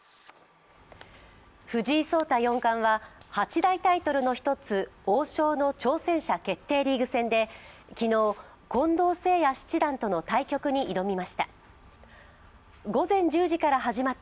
藤井聡太四冠は八大タイトルの１つ、王将の挑戦者決定リーグ戦で昨日、近藤誠也七段との対局に挑みました。